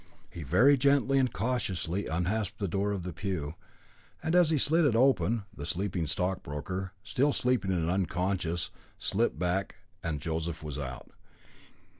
He very gently and cautiously unhasped the door of the pew, and as he slid it open, the sleeping stockbroker, still sleeping and unconscious, slipped back, and Joseph was out.